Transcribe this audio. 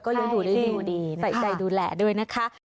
เลี้ยงดูได้ดีใส่ใจดูแลด้วยนะคะ